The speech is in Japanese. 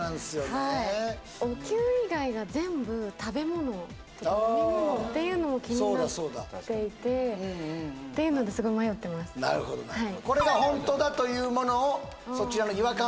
はいお灸以外が全部食べ物とか飲み物っていうのもそうだそうだ気になっていてていうのでなるほどなるほどこれがホントだというものをそちらの違和感